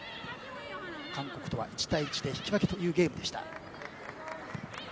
韓国とは１対１で引き分けというゲームでした。